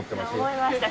思いました